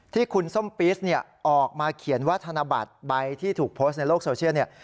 ที่คุณส้มปิสเนี่ยออกมาเขียนว่าธนบัตรใบที่ถูกโพสต์ในโลกโซเชียลเนี่ย